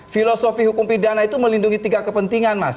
filosofi hukum pidana itu melindungi tiga kepentingan mas